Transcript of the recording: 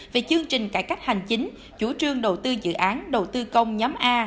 về chương trình cải cách hành chính chủ trương đầu tư dự án đầu tư công nhóm a